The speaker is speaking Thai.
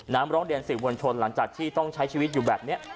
น้ำร้องเดชน์สิบวลชนหลังจากที่ต้องใช้ชีวิตอยู่แบบนี้